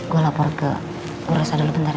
gua lapor ke buruh saya dulu bentar ya